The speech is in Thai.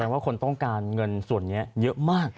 ว่าคนต้องการเงินส่วนนี้เยอะมาก